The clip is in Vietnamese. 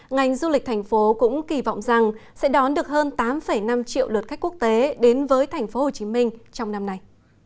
ngành du lịch thành phố cũng kỳ vọng rằng sẽ đón được hơn tám năm triệu lượt khách quốc tế đến với thành phố hồ chí minh trong năm nay